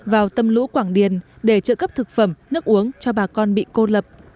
vào tâm lũ quảng điền để trợ cấp thực phẩm nước uống cho bà con bị cô lập